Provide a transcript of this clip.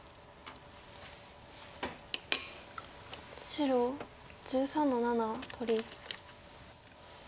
白１３の七取り。